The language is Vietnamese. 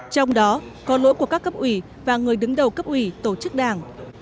trong đó có lỗi của các cấp ủy và người đứng đầu cấp ủy tổ chức đảng